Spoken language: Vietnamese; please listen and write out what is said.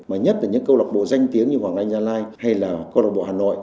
mà nhất là những câu lạc bộ danh tiếng như hoàng anh gia lai hay là câu lạc bộ hà nội